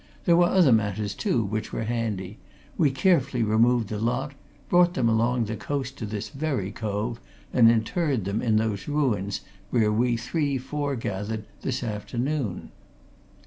There were other matters, too, which were handy we carefully removed the lot, brought them along the coast to this very cove, and interred them in those ruins where we three foregathered this afternoon."